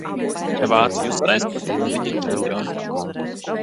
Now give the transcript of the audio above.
Ja Vācija uzvarēs, tad viņi ir čempioni!